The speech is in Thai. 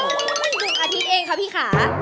อื้อดูอาทิตย์เองครับพี่ขา